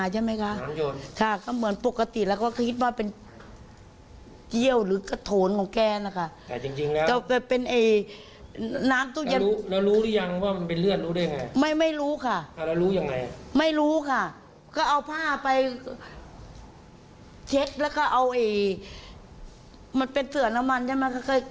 เช็คแล้วก็เอาไอ้มันเป็นเสื้อน้ำมันใช่ไหม